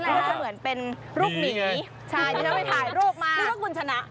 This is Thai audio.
นี่แหละมีไงคือว่าคุณชนะ